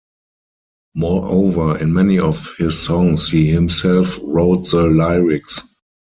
Moreover, in many of his songs he himself wrote the lyrics.